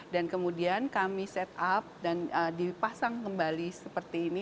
dan kemudian kami set up dan dipasang kembali seperti ini